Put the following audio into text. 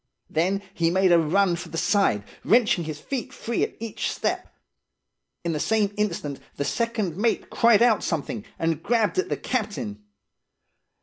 Then he made a run for the side, wrenching his feet free at each step. In the same instant the second mate cried out something, and grabbed at the captain.